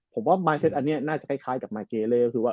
ผมว่ามายเซ็ตอันเนี่ยคลไงที่ใครมีคุณเป็นว่า